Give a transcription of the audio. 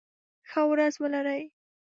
ښه ورځ ولرئ.